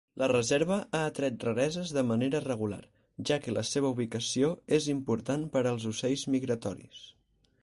La reserva ha atret rareses de manera regular, ja que la seva ubicació és important per als ocells migratoris.